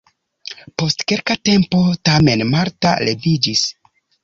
Post kelka tempo tamen Marta leviĝis.